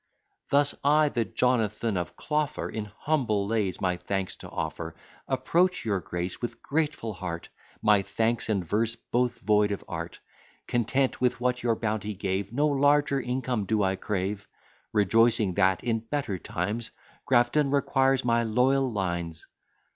Thus I, the Jonathan of Clogher, In humble lays my thanks to offer, Approach your grace with grateful heart, My thanks and verse both void of art, Content with what your bounty gave, No larger income do I crave: Rejoicing that, in better times, Grafton requires my loyal lines.